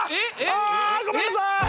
あごめんなさい！